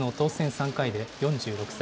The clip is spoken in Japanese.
３回で４６歳。